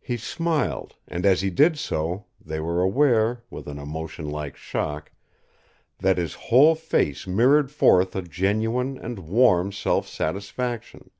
He smiled, and, as he did so, they were aware, with an emotion like shock, that his whole face mirrored forth a genuine and warm self satisfaction.